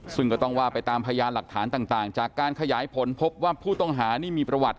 ซึ่งก็ต้องว่าไปตามพยานหลักฐานต่างจากการขยายผลพบว่าผู้ต้องหานี่มีประวัติ